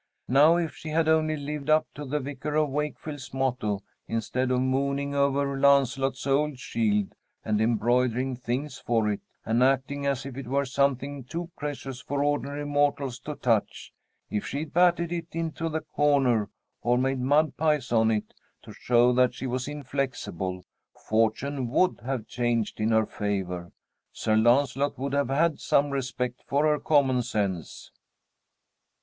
"Now if she had only lived up to the Vicar of Wakefield's motto instead of mooning over Lancelot's old shield, and embroidering things for it, and acting as if it were something too precious for ordinary mortals to touch if she'd batted it into the corner, or made mud pies on it, to show that she was inflexible, fortune would have changed in her favor. Sir Lancelot would have had some respect for her common sense."